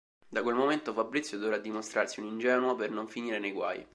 Da quel momento Fabrizio dovrà dimostrarsi un ingenuo per non finire nei guai.